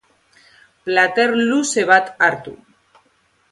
Plater luze bat hartu.